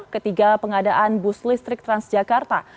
ketiga pengadaan bus listrik transjakarta